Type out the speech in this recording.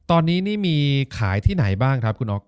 ตอนนี้นี่มีขายที่ไหนบ้างครับคุณออฟ